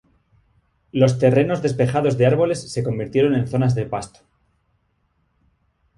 Los terrenos despejados de árboles se convirtieron en zonas de pasto.